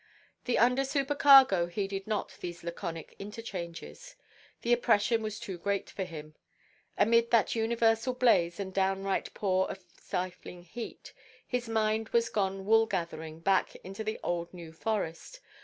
The under–supercargo heeded not these laconic interchanges. The oppression was too great for him. Amid that universal blaze and downright pour of stifling heat, his mind was gone woolgathering back into the old New Forest.